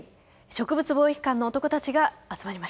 植物防疫官の男たちが集まりました。